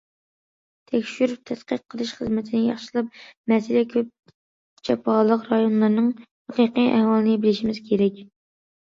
تەكشۈرۈپ تەتقىق قىلىش خىزمىتىنى ياخشىلاپ، مەسىلە كۆپ، جاپالىق رايونلارنىڭ ھەقىقىي ئەھۋالىنى بىلىشىمىز كېرەك.